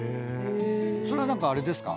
それはあれですか？